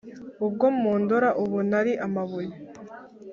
Ubwo mundora ubu nari amabuye